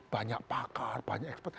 banyak pakar banyak ekspert